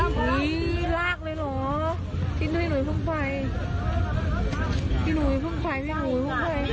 เกิดขึ้นก่อนนะครับ